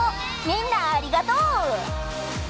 みんなありがとう！